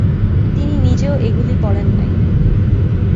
তিনি নিজেও এগুলি পড়েন নাই।